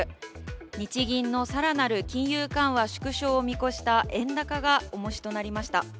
日銀の更なる金融緩和縮小を見越した円高がおもしとなりました。